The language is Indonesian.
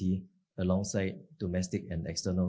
balasan ekonomi ekonomi domestik dan eksternal